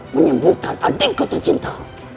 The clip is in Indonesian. menyembuhkan adikku tercinta